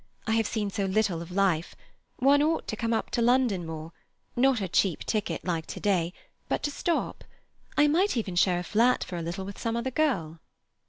I have seen so little of life; one ought to come up to London more—not a cheap ticket like to day, but to stop. I might even share a flat for a little with some other girl."